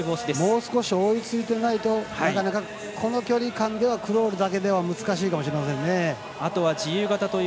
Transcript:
もう少し追いついてないとこの距離感ではクロールだけでは難しいかもしれません。